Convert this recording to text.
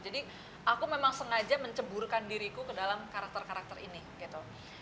jadi aku memang sengaja menceburkan diriku ke dalam karakter karakter ini gitu